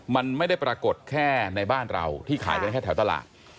มันไม่ได้ปรากฏแค่ในบ้านเราที่ขายกันแค่แถวตลาด